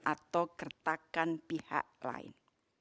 atau keretakan pihak lain